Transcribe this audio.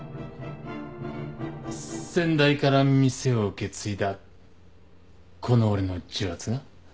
先代から店を受け継いだこの俺の重圧が。